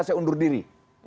yang mau mundur diri